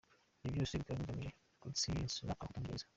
Ibyo byose bikaba bigamije gutsinsurira abahutu muri gereza!